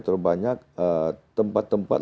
terlalu banyak tempat tempat